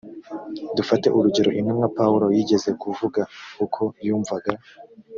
dufate urugero intumwa pawulo yigeze kuvuga uko yumvaga